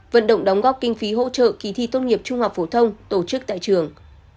vận động đóng góp kinh phí hỗ trợ kỳ thi tốt nghiệp trung học phổ thông tổ chức tại trường